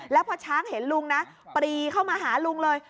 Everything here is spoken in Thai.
แล้วพอช้างเห็นลุงนะปรีเข้ามาหาลุงเลย